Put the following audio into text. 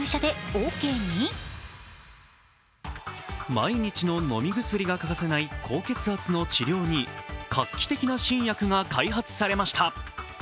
毎日の飲み薬が欠かせない高血圧の治療に画期的な新薬が開発されました。